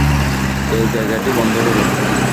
এই জায়গাটি বন্ধ করুন।